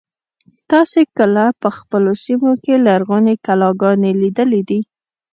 تاسې کله په خپلو سیمو کې لرغونې کلاګانې لیدلي دي.